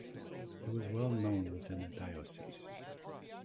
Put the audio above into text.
He was well known within the diocese.